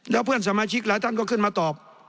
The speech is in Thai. แล้วเพื่อนสมาชิกหลายท่านก็ขึ้นมาตอบ